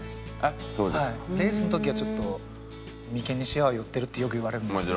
レースの時はちょっと眉間にシワが寄ってるってよく言われるんですけど。